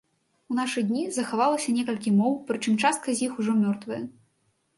У нашы дні захавалася некалькі моў, прычым частка з іх ужо мёртвая.